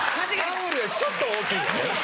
・タオルよりちょっと大きいよね・